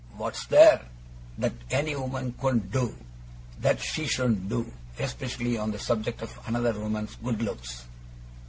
What is there that any woman couldn't do, that she shouldn't do especially on the subject of another woman's good looks?